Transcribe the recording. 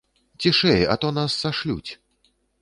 Цішэй, а то нас сашлюць!